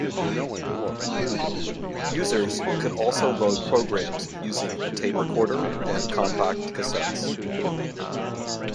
Users could also load programs using a tape recorder and compact cassettes.